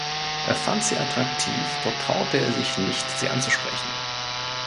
Er fand sie attraktiv, doch traute er sich nicht, sie anzusprechen.